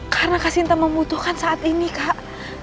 karena kasinta membutuhkan saat ini kak